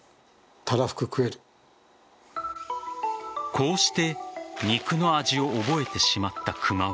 こうして肉の味を覚えてしまった熊は。